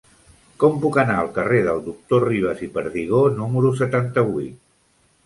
Com puc anar al carrer del Doctor Ribas i Perdigó número setanta-vuit?